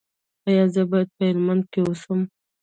ایا زه باید په هلمند کې اوسم؟